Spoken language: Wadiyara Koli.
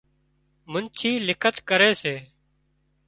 منڇي لکت ڪري سي